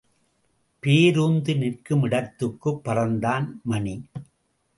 பேருந்து நிற்குமிடத்துக்குப் பறந்தான் மணி.